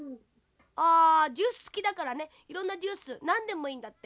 あジュースつきだからねいろんなジュースなんでもいいんだって。